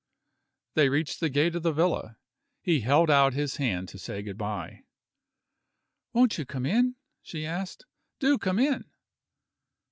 They reached the gate of the villa. He held out his hand to say good by. "Won't you come in?" she asked. "Do come in!"